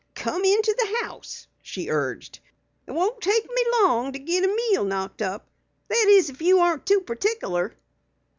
"Come into the house," she urged. "It won't take me long to git a meal knocked up. That is, if you ain't too particular."